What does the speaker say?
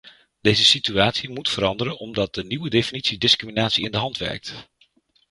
Deze situatie moet veranderen omdat de nieuwe definitie discriminatie in de hand werkt.